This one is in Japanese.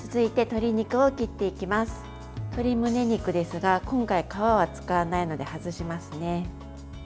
鶏むね肉ですが今回、皮は使わないので外しますね。